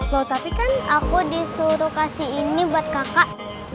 loh tapi kan aku disuruh kasih ini buat kakak